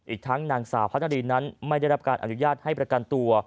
อีกทั้งนางสาวพัฒนารีนั้นไม่ได้รับการอนุญาตให้ประกันตัว